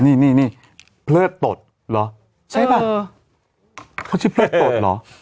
นี่นี่นี่เลิศตดเหรอใช่ป่ะเขาชื่อเลิศตดเหรอ